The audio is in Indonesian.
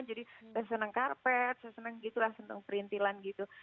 jadi saya senang karpet saya senang gitu lah senang perintilan gitu